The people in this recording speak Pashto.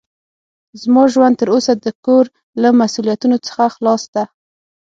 زما ژوند تر اوسه د کور له مسوؤليتونو څخه خلاص ده.